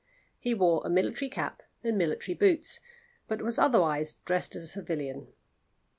He wore a military cap and military boots, but was otherwise dressed as a civilian.